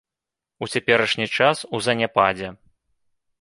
У цяперашні час у заняпадзе.